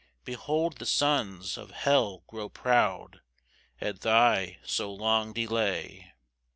Behold the sons of hell grow proud At thy so long delay.